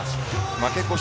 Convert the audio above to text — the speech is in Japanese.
負け越し